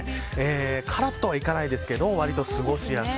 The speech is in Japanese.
からっとはいかないですがわりと過ごしやすい。